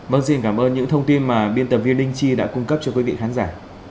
vâng xin cảm ơn những thông tin mà biên tập viên linh chi đã cung cấp cho quý vị khán giả